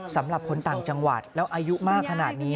สำหรับคนต่างจังหวัดแล้วอายุมากขนาดนี้